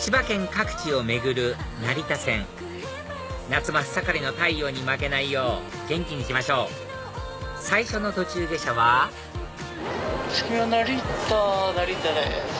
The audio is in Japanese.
千葉県各地を巡る成田線夏真っ盛りの太陽に負けないよう元気に行きましょう最初の途中下車は次は成田成田です。